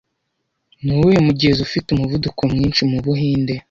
Nuwuhe mugezi ufite umuvuduko mwinshi mu Buhinde